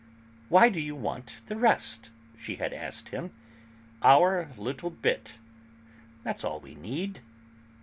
"Why do you want the rest?" she had asked him. "Our little bit; that's all we need."